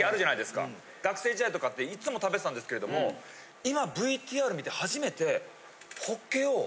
学生時代とかっていつも食べてたんですけれども今ＶＴＲ見て。